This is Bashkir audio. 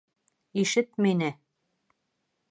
ИШЕТ МИНЕ